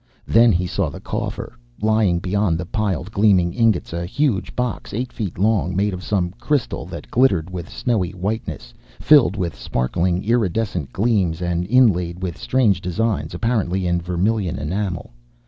Then he saw the coffer, lying beyond the piled, gleaming ingots a huge box, eight feet long; made of some crystal that glittered with snowy whiteness, filled with sparkling, iridescent gleams, and inlaid with strange designs, apparently in vermilion enamel.